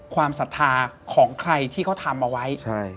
ศรัทธาของใครที่เขาทำเอาไว้